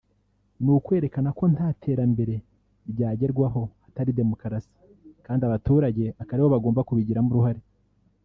ni ukwerekana ko nta terambere ryagerwaho hatari demokarasi; kandi abaturage akaba aribo bagomba kubigiramo uruhare